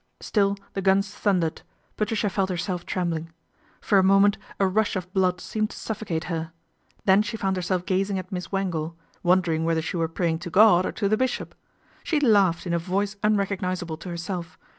Still the guns thundered. Patricia felt herself trembling. For a moment a rush of blood seemed to suffocate her, then she found herself gazing at Miss Wangle, wondering whether she were praying to God or to the bishop. She laughed in a voice unrecognisable to herself.